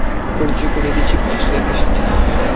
পরিচয় করিয়ে দিচ্ছি ব্যাশ লাইফের সাথে।